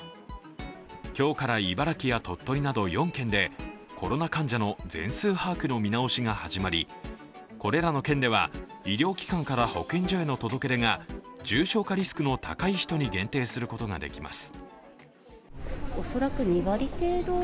今日か茨城や鳥取など４県でコロナ患者の全数把握の見直しが始まり、これらの県では、医療機関から保健所への届け出が重症化リスクの高い人に限定することができます。